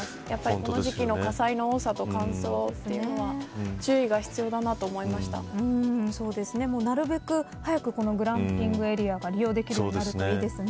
この時期の火災の多さと乾燥というのはなるべく早くこのグランピングエリアが利用できるようになるといいですね。